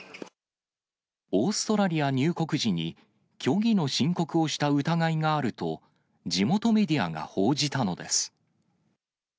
オーストラリア入国時に虚偽の申告をした疑いがあると、地元メディアが報じたのです。